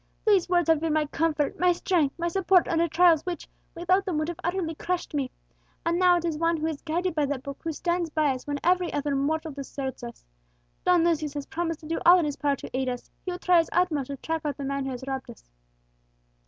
These words have been my comfort, my strength, my support under trials which, without them, would have utterly crushed me. And now it is one who is guided by that book who stands by us when every other mortal deserts us. Don Lucius has promised to do all in his power to aid us; he will try his utmost to track out the man who has robbed us."